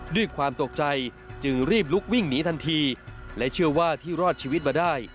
ด้วยความตกใจจึงรีบลุกวิ่งหนีทันทีและเชื่อว่าที่รอดชีวิตมาได้